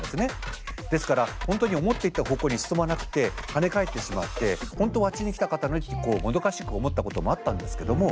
ですから本当に思っていた方向に進まなくて跳ね返ってしまって本当はあっちに行きたかったのにってこうもどかしく思ったこともあったんですけども。